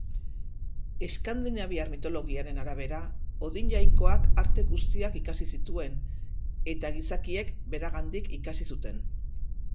Eskandinaviar mitologiaren arabera, Odin jainkoak arte guztiak ikasi zituen, eta gizakiek beragandik ikasi zuten.